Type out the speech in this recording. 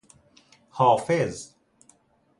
حافظ